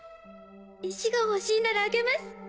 石が欲しいならあげます